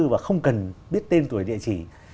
và không cần biết tên tuổi địa chỉ